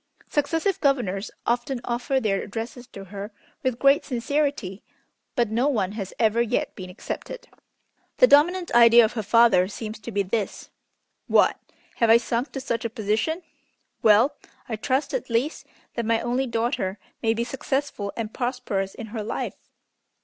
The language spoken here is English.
Successive governors often offer their addresses to her with great sincerity, but no one has ever yet been accepted. The dominant idea of her father seems to be this: 'What, have I sunk to such a position! Well, I trust, at least, that my only daughter may be successful and prosperous in her life!'